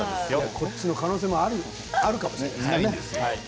こっちの可能性もあるかもしれないからね。